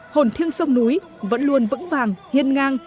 hồn thiêng sông núi vẫn luôn vững vàng hiên ngang